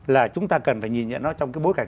là chúng ta cần nhìn nhận nó trong bối cảnh